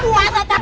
buah buah buah